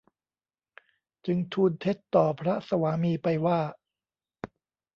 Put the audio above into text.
จึงทูลเท็จต่อพระสวามีไปว่า